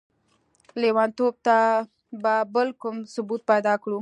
ليونتوب ته به بل کوم ثبوت پيدا کړو؟!